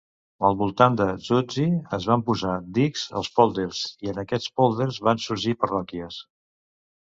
Al voltant de Zuudzee, es van posar dics als pòlders, i en aquests pòlders, van sorgir parròquies.